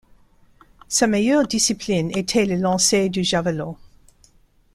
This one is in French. Sa meilleure discipline était le lancer du javelot.